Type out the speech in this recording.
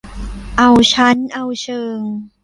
เอาชั้นเอาเชิง